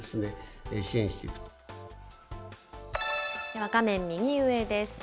では画面右上です。